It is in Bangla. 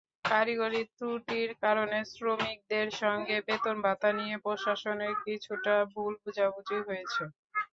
কারিগরি ত্রুটির কারণে শ্রমিকদের সঙ্গে বেতন-ভাতা নিয়ে প্রশাসনের কিছুটা ভুল বোঝাবুঝি হয়েছে।